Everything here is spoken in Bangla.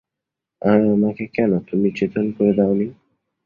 আমাকে কেন তুমি চেতন করে দাও নি।